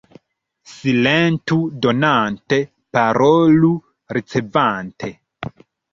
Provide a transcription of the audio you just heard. Silentu donante, parolu ricevante.